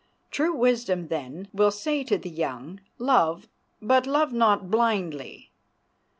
True wisdom, then, will say to the young, Love, but love not blindly.